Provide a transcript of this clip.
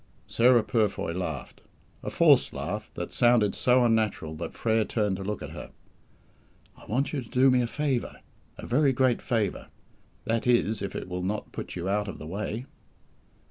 Sarah Purfoy laughed; a forced laugh, that sounded so unnatural, that Frere turned to look at her. "I want you to do me a favour a very great favour; that is if it will not put you out of the way."